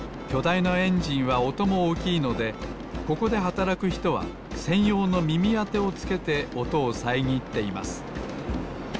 いなエンジンはおともおおきいのでここではたらくひとはせんようのみみあてをつけておとをさえぎっています。